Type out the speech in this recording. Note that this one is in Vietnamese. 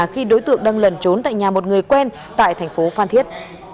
khi đối tượng đang lẩn trốn tại nhà một người quen tại thành phố phan thiết